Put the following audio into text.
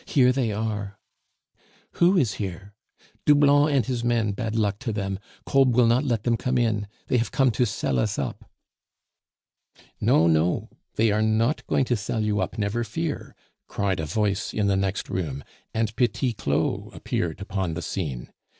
Here they are!" "Who is here?" "Doublon and his men, bad luck to them! Kolb will not let them come in; they have come to sell us up." "No, no, they are not going to sell you up, never fear," cried a voice in the next room, and Petit Claud appeared upon the scene.